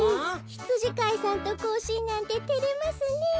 ひつじかいさんとこうしんなんててれますねえ。